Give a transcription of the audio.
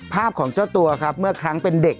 ภาพของเจ้าตัวครับเมื่อครั้งเป็นเด็ก